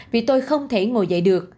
vì tôi không thể ngồi dậy được